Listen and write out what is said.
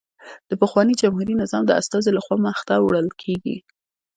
د پخواني جمهوري نظام د استازي له خوا مخته وړل کېږي